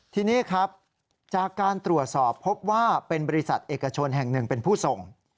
ทีนี้ครับจากการตรวจสอบพบว่าเป็นบริษัทเอกชนแห่งหนึ่งเป็นผู้ส่ง